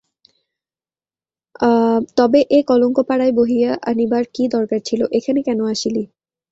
তবে এ কলঙ্ক পাড়ায় বহিয়া আনিবার কী দরকার ছিল–এখানে কেন আসিলি।